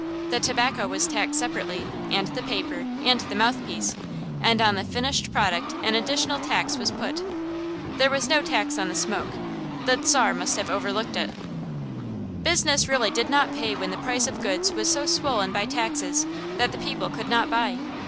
The tobacco was taxed separately, and the paper, and the mouthpiece, and on the finished product an additional tax was put. There was no tax on the smoke. The Czar must have overlooked it. Business really did not pay when the price of goods was so swollen by taxes that the people could not buy.